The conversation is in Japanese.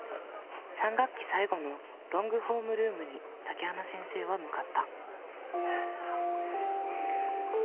３学期最後のロングホームルームに竹花先生は向かった。